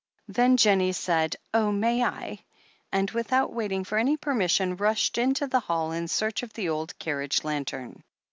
Then Jennie said, "Oh, may I ?" and without waiting for any permission, rushed into the hall in search of the old carriage lantern.